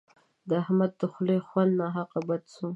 د احمد د خولې خوند ناحق بد سو.